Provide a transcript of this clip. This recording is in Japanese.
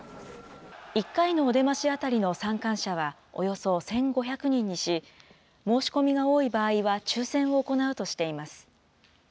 １回のお出まし当たりの参観者はおよそ１５００人にし、申し込みが多い場合は、抽せんを行うとしています。